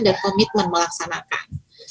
dan komitmen melaksanakan